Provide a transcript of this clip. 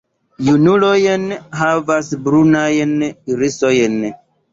Junuloj havas brunajn irisojn.